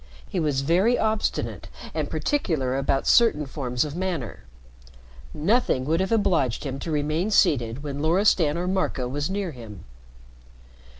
He was very obstinate and particular about certain forms of manner. Nothing would have obliged him to remain seated when Loristan or Marco was near him.